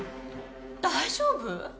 大丈夫？